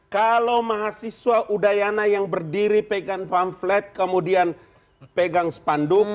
kalau mahasiswa udayana yang berdiri pegang pamflet kemudian pegang spanduk